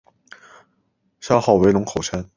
山号为龙口山。